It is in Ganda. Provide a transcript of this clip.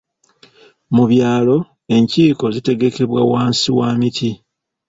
Mu byalo enkiiko zitegekebwa wansi wa miti.